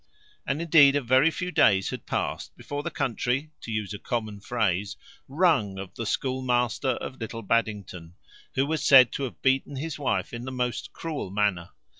And, indeed, a very few days had past, before the country, to use a common phrase, rung of the schoolmaster of Little Baddington; who was said to have beaten his wife in the most cruel manner.